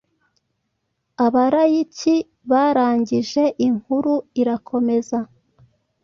Abalayiki barangijeinkuru irakomeza